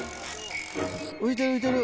浮いてる浮いてる。